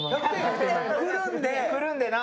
くるんでな。